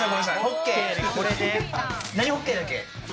何ホッケーだっけ。